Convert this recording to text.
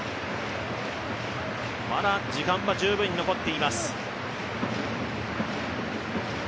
まだ時間は十分に残っています。